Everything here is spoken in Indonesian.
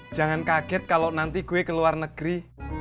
jangan kaget kalau nanti gue ke luar negeri